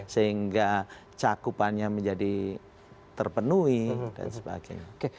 sehingga cakupannya menjadi terpenuhi dan sebagainya